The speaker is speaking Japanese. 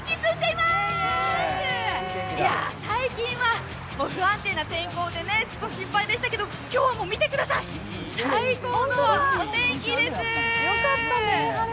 いやぁ、最近は不安定な天候で心配でしたけど、今日は見てください、最高のお天気です。